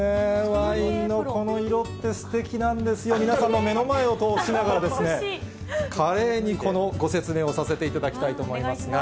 ワインのこの色ってすてきなんですよ、皆さんの目の前を通りながらですね、華麗にご説明をさせていただきたいと思いますが。